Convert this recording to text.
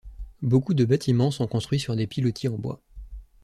Beaucoup de bâtiments sont construits sur des pilotis en bois.